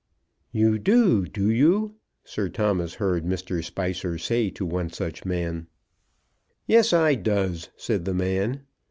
"You do, do you?" Sir Thomas heard Mr. Spicer say to one such man. "Yes, I does," said the man.